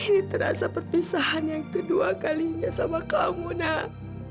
ini terasa perpisahan yang kedua kalinya sama kamu nak